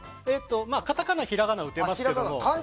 カタカナ、ひらがな打てますけども。